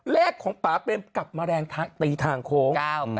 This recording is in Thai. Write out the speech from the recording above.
เลขของป่าเปมกลับมาแรงตีทางโค้ง